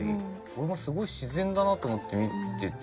俺もすごい自然だなと思って見てて。